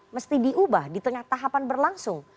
mesti diubah di tengah tahapan berlangsung